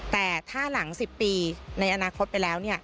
แต่ถ้าหลัง๑๐ปีในอนาคตไปแล้ว